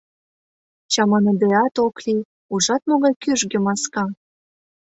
— Чаманыдеат ок лий, ужат могай кӱжгӧ маска.